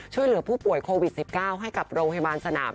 ช่วยเหลือผู้ป่วยโควิด๑๙ให้กับโรงพยาบาลสนาม